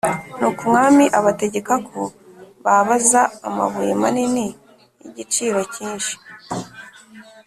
Nuko umwami abategeka ko babāza amabuye manini y’igiciro cyinshi